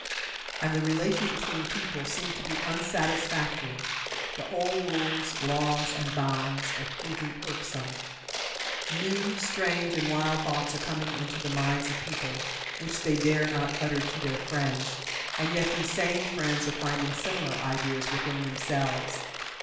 And the relations between people seem to be unsatisfactory. The old rules, laws, and bonds are proving irksome. New, strange, and wild thoughts are coming into the minds of people, which they dare not utter to their friends and yet these same friends are finding similar ideas within themselves.